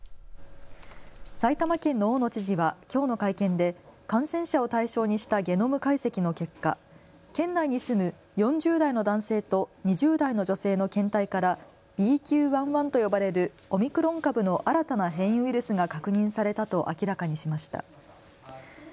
埼玉県の大野知事はきょうの会見で感染者を対象にしたゲノム解析の結果、県内に住む４０代の男性と２０代の女性の検体からＢＱ．１．１と呼ばれるオミクロン株の新たな変異ウイルスが確認されたと明らかにしました。